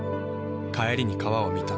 帰りに川を見た。